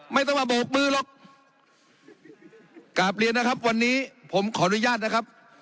ไม่ต้องมาโบกมือหรอกกราบเรียนนะครับวันนี้ผมขออนุญาตนะครับ